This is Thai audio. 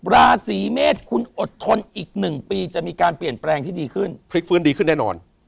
ราศีเมษคุณอดทนอีก๑ปีจะมีการเปลี่ยนแปลงที่ดีขึ้นพลิกฟื้นดีขึ้นแน่นอน